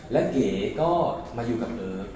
และเก๋ก็มาอยู่กับเก๋